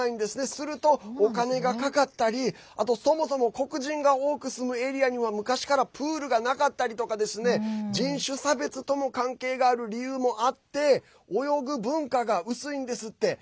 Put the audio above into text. すると、お金がかかったりそもそも黒人が多く住むエリアには昔からプールがなかったりとかですね人種差別とかとも関係がある理由もあって泳ぐ文化が薄いんですって。